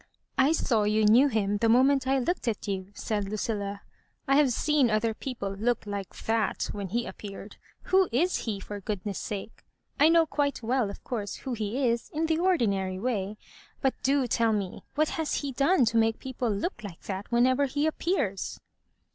'* I saw you knew him the moment I looked at you," said Lucilla. " I have seen other peo ple look like ihai when he appeared. Who is he, for goodnes&f sake 7 I know quite well, of course, who he is, in the ordinary way ; but do tell me what has he done to miUce people look like that whenever he appears?"